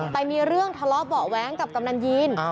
ไปมีเรื่องทะเลาะเบาะแว้งกับกำนันยีน